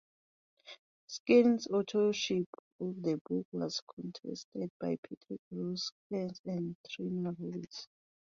Skinn's authorship of the book was contested by Patrick Rosenkranz and Trina Robbins.